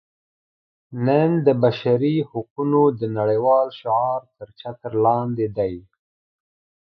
نن د بشري حقونو د نړیوال شعار تر چتر لاندې دي.